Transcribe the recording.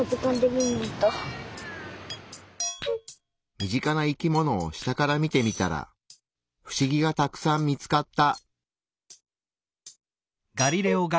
身近な生き物を下から見てみたらフシギがたくさん見つかった。